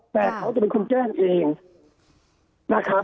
แต่เขาจะเป็นคนแจ้งเองนะครับ